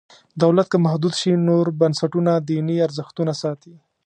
دولت که محدود شي نور بنسټونه دیني ارزښتونه ساتي.